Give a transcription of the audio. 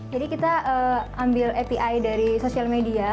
jadi kita ambil api dari sosial media